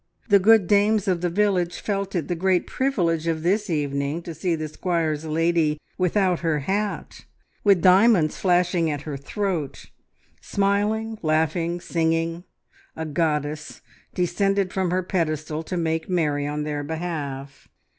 ... The good dames of the village felt it the great privilege of this evening to see the squire's lady without her hat, with diamonds flashing at her throat, smiling, laughing, singing a goddess descended from her pedestal to make merry on their behalf.